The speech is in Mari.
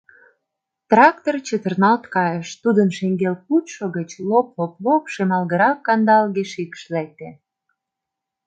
Трактор чытырналт кайыш, тудын шеҥгел пучшо гыч лоп-лоп-лоп шемалгырак кандалге шикш лекте.